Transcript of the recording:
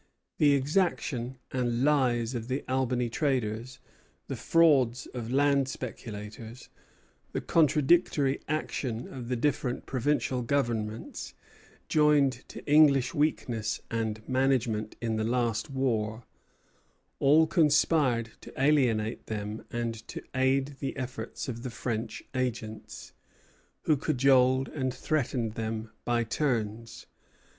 The exactions and lies of the Albany traders, the frauds of land speculators, the contradictory action of the different provincial governments, joined to English weakness and mismanagement in the last war, all conspired to alienate them and to aid the efforts of the French agents, who cajoled and threatened them by turns.